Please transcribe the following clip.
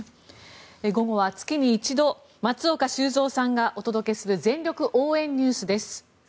午後は月に１度松岡修造さんがお届けする全力応援ＮＥＷＳです。